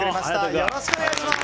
よろしくお願いします！